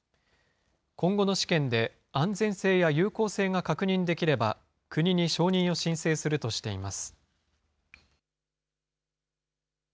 今後の試験で、安全性や有効性が確認できれば、国に承認を申請するとしています。